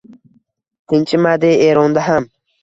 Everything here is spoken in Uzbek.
Tinchimadi Eronda ham